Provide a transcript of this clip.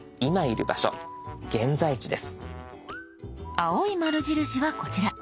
青い丸印はこちら。